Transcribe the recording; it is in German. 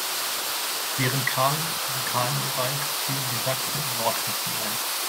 Während Karl in Italien weilte, fielen die Sachsen in Nordhessen ein.